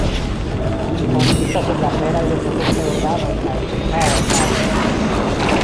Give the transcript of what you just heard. Ĝi konsistas el la veraj reproduktaj organoj kaj ĉirkaŭaj partoj.